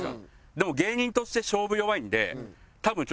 でも芸人として勝負弱いんで。